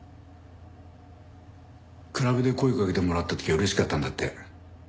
クラブで声かけてもらった時は嬉しかったんだって。